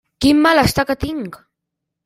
Quin malestar que tinc!